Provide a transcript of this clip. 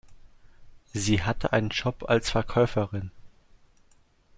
Sie hatte einen Job als Verkäuferin.